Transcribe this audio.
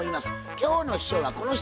今日の秘書はこの人。